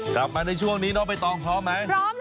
กลับมาในช่วงนี้น้องไปตองพร้อมไหม